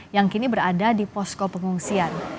yang kini berada di posko pengungsian